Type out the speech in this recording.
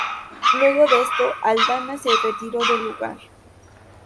Luego de esto, Aldana se retiró del lugar.